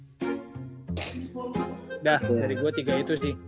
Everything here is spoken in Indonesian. udah dari gue tiga itu sih